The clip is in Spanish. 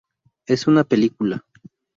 Es una película.